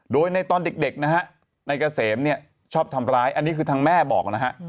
โดยในตอนเด็กนายเกษมชอบทำร้ายอันนี้คือทางแม่บอก